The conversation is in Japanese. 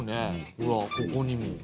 ほらここにも。